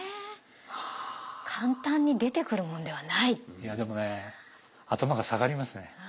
いやでもね頭が下がりますね。